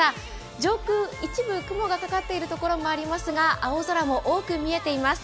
上空一部、雲がかかっているところもありますが、青空が多く見えています。